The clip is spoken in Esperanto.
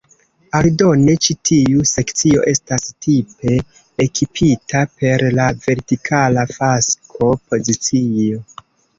Aldone, ĉi tiu sekcio estas tipe ekipita per la vertikala fasko pozicio.